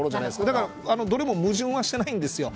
だからどれも矛盾はしてないんですよ。